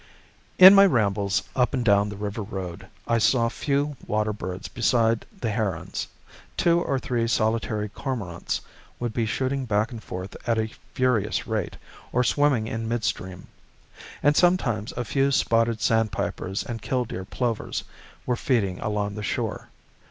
In my rambles up and down the river road I saw few water birds beside the herons. Two or three solitary cormorants would be shooting back and forth at a furious rate, or swimming in midstream; and sometimes a few spotted sandpipers and killdeer plovers were feeding along the shore.